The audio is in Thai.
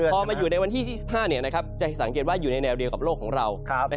พอมาอยู่ในวันที่๒๕จะสังเกตว่าอยู่ในแนวเดียวกับโลกของเรา